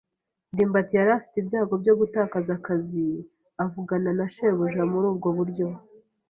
ndimbati yari afite ibyago byo gutakaza akazi avugana na shebuja muri ubwo buryo.